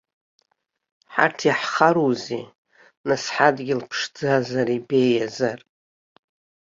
Ҳарҭ иаҳхароузеи, нас, ҳадгьыл ԥшӡазар, ибеиазар?